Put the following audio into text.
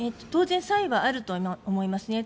当然、差異はあると思います。